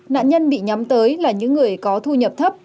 nạn nhân bị nhắm tới là những người có thu nhập thấp